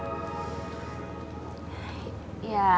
neng dah kemana